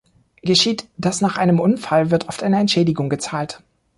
Geschieht das nach einem Unfall, wird oft eine Entschädigung gezahlt.